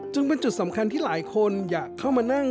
จึงเป็นจุดสำคัญที่หลายคนอยากเข้ามานั่ง